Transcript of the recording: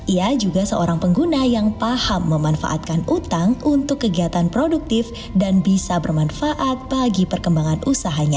ia juga seorang pengguna yang paham memanfaatkan utang untuk kegiatan produktif dan bisa bermanfaat bagi perkembangan usahanya